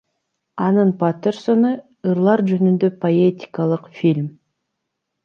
Анын Патерсону — ырлар жөнүндө поэтикалык фильм.